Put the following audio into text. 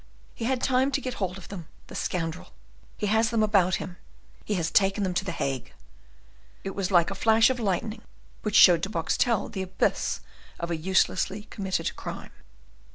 He had time to get hold of them, the scoundrel, he has them about him, he has taken them to the Hague!" It was like a flash of lightning which showed to Boxtel the abyss of a uselessly committed crime.